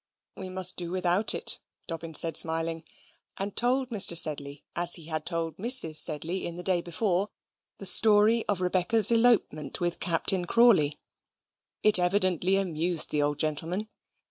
"We must do it without," Dobbin said, smiling, and told Mr. Sedley, as he had told Mrs. Sedley in the day, before, the story of Rebecca's elopement with Captain Crawley. It evidently amused the old gentleman.